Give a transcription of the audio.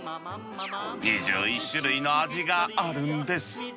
２１種類の味があるんです。